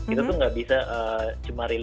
itu tuh gak bisa cemarin